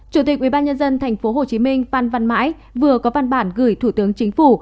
chủ tịch ubnd tp hcm phan văn mãi vừa có văn bản gửi thủ tướng chính phủ